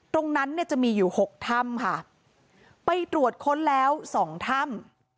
ตรงนั้นเนี่ยจะมีอยู่หกถ้ำค่ะไปตรวจค้นแล้วสองถ้ำ